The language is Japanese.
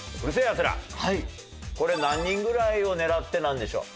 これ何人ぐらいを狙ってなんでしょう？